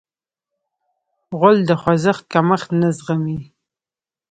غول د خوځښت کمښت نه زغمي.